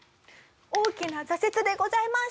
大きな挫折でございます。